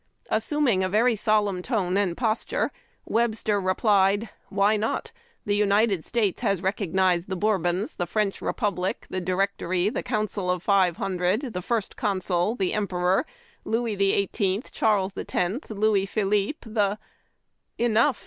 Assuming a very solemn tone and posture, Webster replied :" Why not ? The United States lias recognized the Bourbons, the French Republic, the Directory, the Council of Five Hundred, the First Consul, the Emper or, Louis XVII L, Charles X., Louis Philippe, the" — "■Enough!